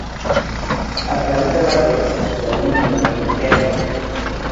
Arrel de la dent, de l'ungla, del pèl.